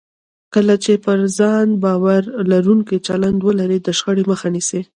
کله چې پر ځان باور لرونکی چلند ولرئ، د شخړې مخه نیسئ.